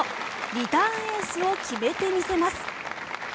リターンエースを決めてみせます。